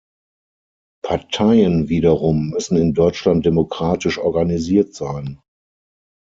Parteien wiederum müssen in Deutschland demokratisch organisiert sein.